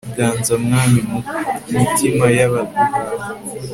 ganza mwami, mu mitima y'abaguhawe